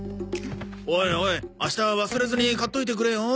おいおい明日忘れずに買っといてくれよ。